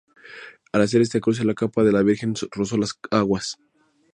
Al hacer este cruce la capa de la Virgen rozó las aguas.